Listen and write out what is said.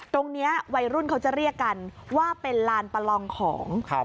ตรงนี้วัยรุ่นเขาจะเรียกกันว่าเป็นลานประลองของ